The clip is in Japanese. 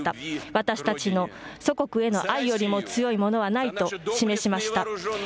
私たちの祖国への愛よりも強いものはないと示しました。